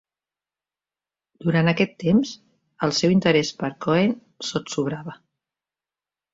Durant aquest temps, el seu interès per Cohen sotsobrava.